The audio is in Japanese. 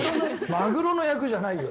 マグロの役じゃないよ。